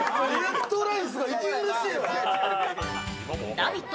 「ラヴィット！」